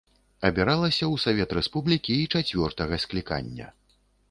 Абіралася ў савет рэспублікі і чацвёртага склікання.